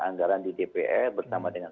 anggaran di dpr bersama dengan